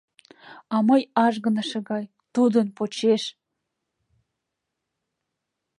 А мый ажгыныше гай — тудын почеш!